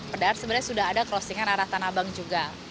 padahal sebenarnya sudah ada crossing an arah tanah abang juga